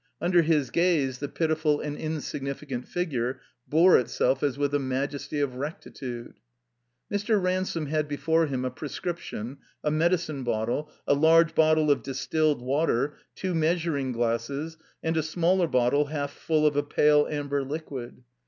Under his gaze the pitiful and insignificant figure bore itself as with a majesty of rectitude. Mr. Ransome had before him a prescription, a medicine bottle, a large bottle of distilled water, two 38 I THE COMBINED MAZE measuring glasses, and a smaller bottle half ftill of a pale amber liqtiid.